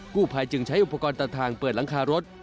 ผู้ภายจึงใช้อุปกรณ์ตัดทางเปิดหลังคารถ